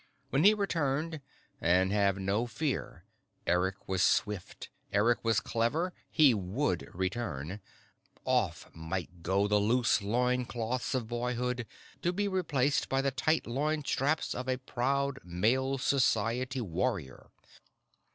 When he returned and have no fear: Eric was swift, Eric was clever, he would return off might go the loose loin cloths of boyhood to be replaced by the tight loin straps of a proud Male Society warrior.